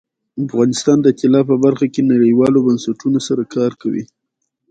افغانستان د طلا په برخه کې نړیوالو بنسټونو سره کار کوي.